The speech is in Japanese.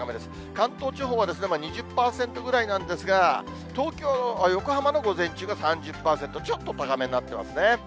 関東地方は２０％ぐらいなんですが、東京、横浜の午前中が３０％、ちょっと高めになっていますね。